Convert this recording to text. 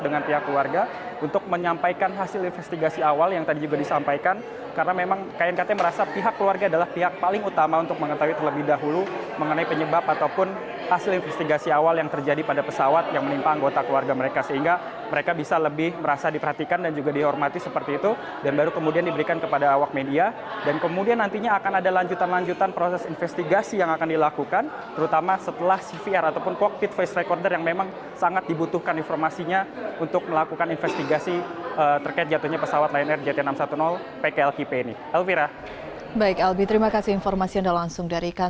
dengan pihak keluarga untuk menyampaikan hasil investigasi awal yang tadi juga disampaikan karena memang knkt merasa pihak keluarga adalah pihak paling utama untuk mengetahui terlebih dahulu mengenai penyebab ataupun hasil investigasi awal yang terjadi pada pesawat yang menimpa anggota keluarga mereka sehingga mereka bisa lebih merasa diperhatikan dan juga dihormati seperti itu dan baru kemudian diberikan kepada awak media dan kemudian nantinya akan ada lanjutan lanjutan proses investigasi yang akan dilakukan terutama setelah cvr ataupun cockpit face recorder yang memang sangat dibutuhkan informasi dari pihak keluarga